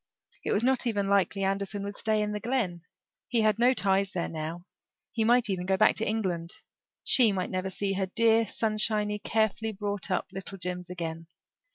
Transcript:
It was not even likely Anderson would stay in the Glen; he had no ties there now; he might even go back to England. She might never see her dear, sunshiny, carefully brought up little Jims again.